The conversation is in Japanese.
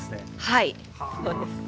はいそうです。